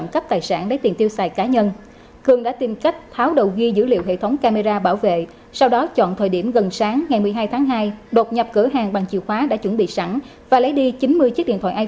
các bạn hãy đăng ký kênh để ủng hộ kênh của chúng mình nhé